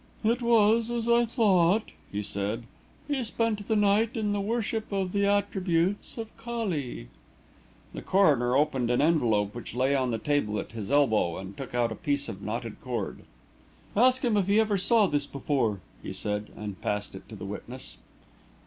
"It was as I thought," he said. "He spent the night in the worship of the attributes of Kali." The coroner opened an envelope which lay on the table at his elbow and took out a piece of knotted cord. "Ask him if he ever saw this before," he said, and passed it to the witness.